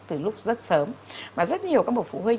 từ lúc rất sớm mà rất nhiều các bộ phụ huynh